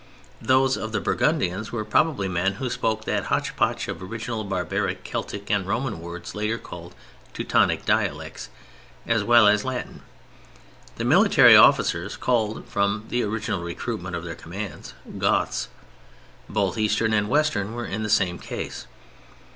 Those of the Burgundians were probably men who spoke that hotchpotch of original barbaric, Celtic and Roman words later called "Teutonic dialects," as well as Latin. The military officers called (from the original recruitment of their commands) "Goths," both eastern and western, were in the same case.